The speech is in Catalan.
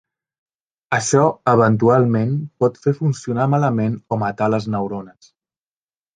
Això eventualment pot fer funcionar malament o matar les neurones.